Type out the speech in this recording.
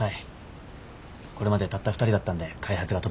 これまでたった２人だったんで開発が滞ってました。